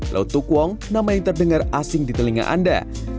lautuk wong nama yang terdengar asing di telinga anda